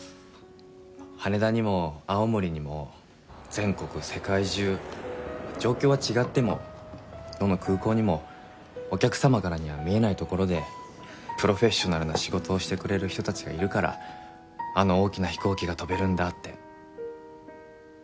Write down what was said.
羽田にも青森にも全国世界中状況は違ってもどの空港にもお客様からには見えないところでプロフェッショナルな仕事をしてくれる人たちがいるからあの大きな飛行機が飛べるんだって。